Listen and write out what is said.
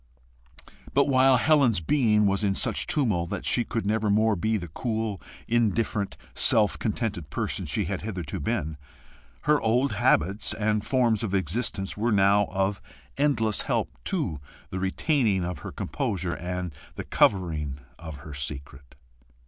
But while Helen's being was in such tumult that she could never more be the cool, indifferent, self contented person she had hitherto been, her old habits and forms of existence were now of endless help to the retaining of her composure and the covering of her secret.